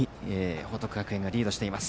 報徳学園がリードしています。